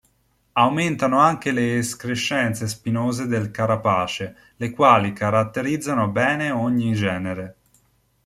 Aumentano anche le escrescenze spinose del carapace, le quali caratterizzano bene ogni genere.